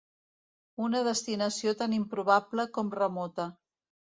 Una destinació tan improbable com remota.